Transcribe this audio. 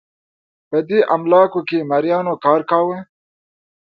په دې املاکو کې مریانو کار کاوه.